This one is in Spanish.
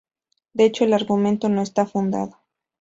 De hecho, el argumento no está fundado.